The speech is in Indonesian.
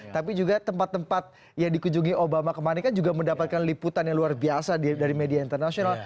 tapi juga tempat tempat yang dikunjungi obama kemarin kan juga mendapatkan liputan yang luar biasa dari media internasional